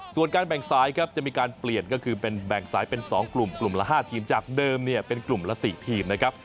ส่วนการแบ่งสายครับจะมีการเปลี่ยนก็คือเป็นแบ่งสายเป็น๒กลุ่มกลุ่มละ๕ทีมจากเดิมเนี่ยเป็นกลุ่มละ๔ทีมนะครับ